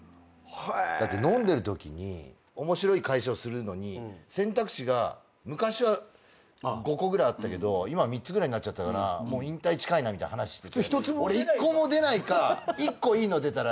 だって飲んでるときに「面白い返しをするのに選択肢が昔は５個ぐらいあったけど今は３つぐらいになっちゃったからもう引退近いな」みたいな話してて。